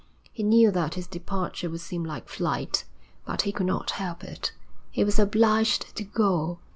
He knew that his departure would seem like flight, but he could not help that. He was obliged to go.